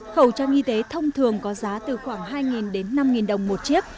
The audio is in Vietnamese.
khẩu trang y tế thông thường có giá từ khoảng hai đến năm đồng một chiếc